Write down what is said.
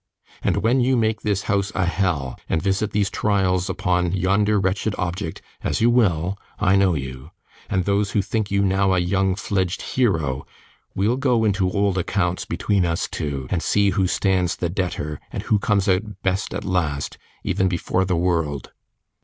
And when you make this house a hell, and visit these trials upon yonder wretched object (as you will; I know you), and those who think you now a young fledged hero, we'll go into old accounts between us two, and see who stands the debtor, and comes out best at last, even before the world.